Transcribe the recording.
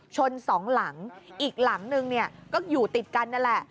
ชนสองหลังอีกหลังนึงเนี่ยก็อยู่ติดกันนั่นแหละ